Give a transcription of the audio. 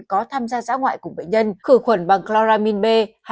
có tham gia giã ngoại cùng bệnh nhân khử khuẩn bằng chloramin b hai mươi năm